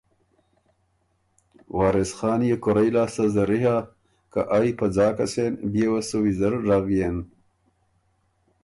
وارث خان يې کورئ لاسته زَری هۀ که ائ په ځاکه سېن بيې وه سو ویزر ژغيېن۔